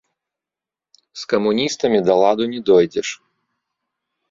З камуністамі да ладу не дойдзеш.